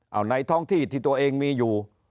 เอาในท้องที่ที่ตัวเองมีอยู่